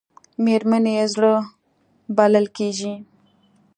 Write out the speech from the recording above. مېرمنې یې زړه بلل کېږي .